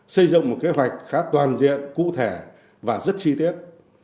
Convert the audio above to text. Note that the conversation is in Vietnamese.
xây dựng một kế hoạch khá toàn diện cụ thể và rất chi tiết